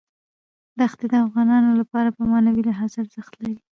ښتې د افغانانو لپاره په معنوي لحاظ ارزښت لري.